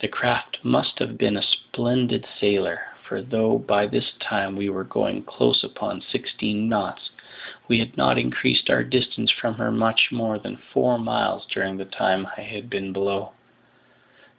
The craft must have been a splendid sailer, for, though by this time we were going close upon sixteen knots, we had not increased our distance from her much more than four miles during the time I had been below.